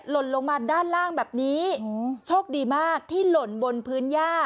หล่นลงมาด้านล่างแบบนี้โชคดีมากที่หล่นบนพื้นย่า